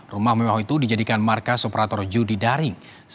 rumah mewah itu dijadikan markas operator judi daring